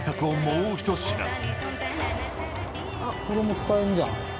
これも使えんじゃん。